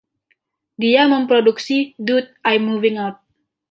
Dia memproduksi “Dude, I’m Moving Out”.